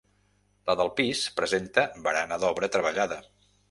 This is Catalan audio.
La del pis presenta barana d'obra treballada.